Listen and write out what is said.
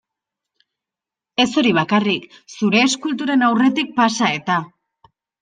Ez hori bakarrik, zure eskulturen aurretik pasa, eta.